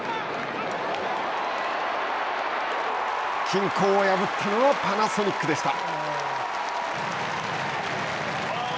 均衡を破ったのはパナソニックでした。